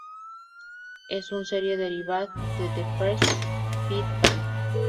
Es un serie derivada de The Fresh Beat Band.